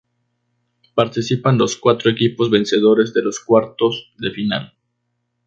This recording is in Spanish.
Participan los cuatro equipos vencedores de los cuartos de final.